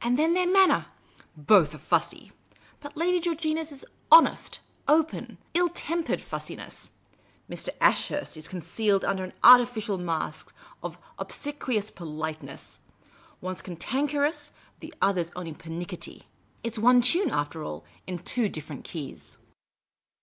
And then their man ner ! Both are fussy ; but Lady Georgina's is honest, open, ill tempered fussiness ; Mr. Ashurst's is concealed under an artificial mask of obsequious politeness. One 's cantanker ous ; the other 's only pernicketty. It 's one tune, after all, in two different key.s."